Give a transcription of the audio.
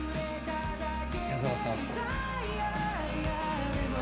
矢沢さん。